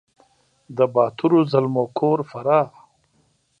د باتورو زلمو کور فراه !